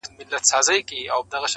له ارغوان تر لاله زار ښکلی دی-